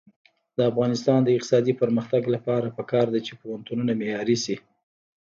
د افغانستان د اقتصادي پرمختګ لپاره پکار ده چې پوهنتونونه معیاري شي.